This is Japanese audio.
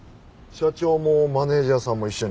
社長もマネジャーさんも一緒に？